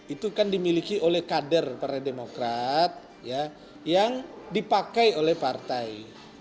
itu kan dimiliki oleh kader partai demokrat yang dipakai oleh partai